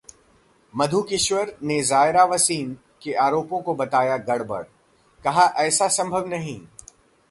मधु किश्वर ने जायरा वसीम के आरोपों को बताया गड़बड़, कहा-ऐसा संभव नहीं